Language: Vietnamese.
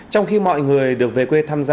trong khi mọi người được về quê tham gia